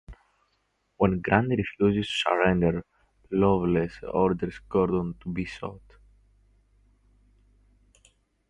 When Grant refuses to surrender, Loveless orders Gordon to be shot.